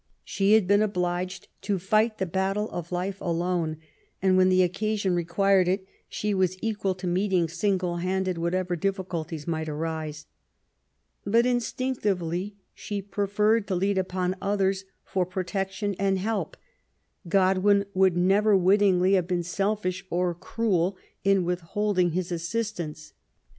She had been obliged to fight the battle of life alone^ and^ when the occasion required it, she was equal to meeting single handed whatever difficulties might arise. But instinctively she preferred to lean upon others for protection and help. Godwin would never wittingly have been selfish or cruel in withholding his assistance.